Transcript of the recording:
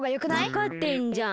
わかってんじゃん。